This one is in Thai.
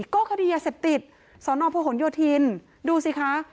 ๒๕๖๔ก็คดียาเสพติดสพโยธินดูสิคะ